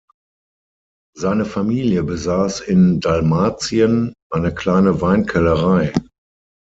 Seine Familie besaß in Dalmatien eine kleine Weinkellerei.